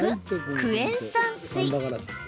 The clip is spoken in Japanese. クエン酸水。